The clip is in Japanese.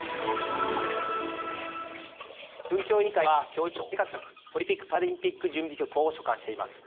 文教委員会は教育庁生活文化局オリンピック・パラリンピック準備局を所管しています。